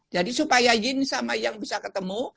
jadi supaya yin sama yang bisa ketemu